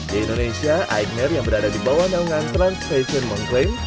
di indonesia igner yang berada di bawah naungan trans fashion mengklaim